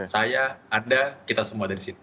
saya anda kita semua ada di sini